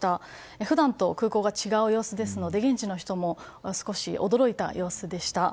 普段と空港が違う様子ですので現地の人も少し驚いた様子でした。